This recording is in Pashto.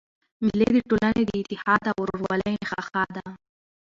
مېلې د ټولني د اتحاد او ورورولۍ نخښه ده.